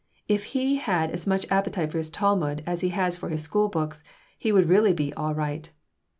"If he had as much appetite for his Talmud as he has for his school books he would really be all right."